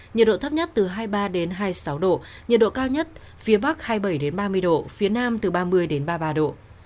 nhiệt độ thấp nhất từ hai mươi ba đến hai mươi sáu độ nhiệt độ cao nhất phía bắc hai mươi bảy ba mươi độ phía nam từ ba mươi ba mươi ba độ